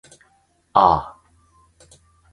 ああ